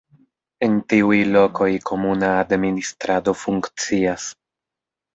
En tiuj lokoj komuna administrado funkcias.